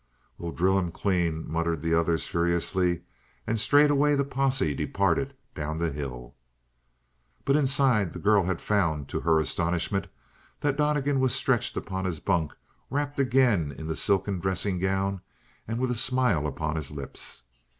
"We'll drill him clean!" muttered the others furiously, and straightway the posse departed down the hill. But inside the girl had found, to her astonishment, that Donnegan was stretched upon his bunk wrapped again in the silken dressing gown and with a smile upon his lips.